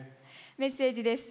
メッセージです。